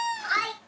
はい。